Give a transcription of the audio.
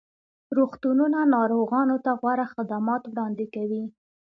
روغتونونه ناروغانو ته غوره خدمات وړاندې کوي.